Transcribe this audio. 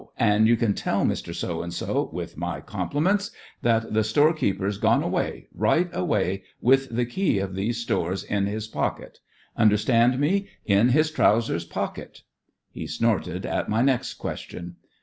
An' you can tell Mr. So and so, with my compli ments, that the storekeeper's gone away — right away — with the key of THE FRINGES OF THE FLEET 85 these stores in his pocket. Under stand me? In his trousers pocket." He snorted at my next question.